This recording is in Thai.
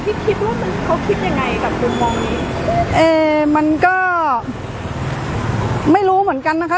คิดว่ามันเขาคิดยังไงกับมุมมองนี้เอ่อมันก็ไม่รู้เหมือนกันนะคะ